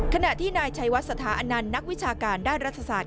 ขณะที่นายชัยวัดสถาอนันต์นักวิชาการด้านรัฐศาสต